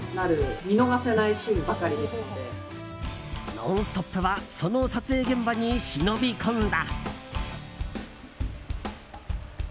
「ノンストップ！」はその撮影現場に忍び込んだ。